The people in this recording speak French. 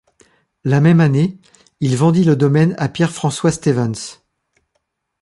La même année, il vendit le domaine à Peierre-François Stevens.